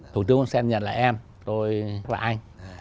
thủ tướng hun sen nhận là em tôi là anh